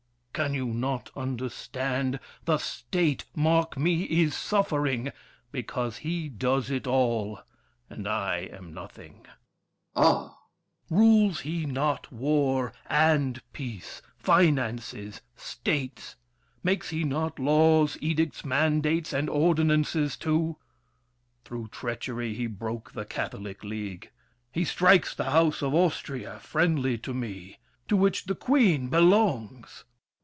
Can you not understand? The State, mark me, Is suffering, because he does it all And I am nothing! DUKE DE BELLEGARDE. Ah! THE KING. Rules he not war And peace, finances, states? Makes he not laws, Edicts, mandates, and ordinances too? Through treachery he broke the Catholic league; He strikes the house of Austria—friendly To me—to which the Queen belongs.